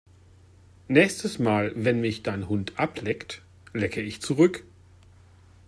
Nächstes Mal, wenn mich dein Hund ableckt, lecke ich zurück!